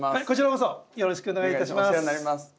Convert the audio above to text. こちらこそよろしくお願いいたします。